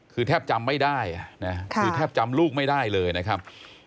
คือแทบจำไม่ได้คือแทบจำลูกไม่ได้เลยนะครับ